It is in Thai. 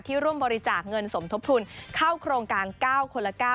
ร่วมบริจาคเงินสมทบทุนเข้าโครงการ๙คนละ๙